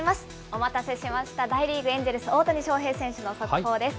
お待たせしました、大リーグ・エンジェルス、大谷翔平選手の速報です。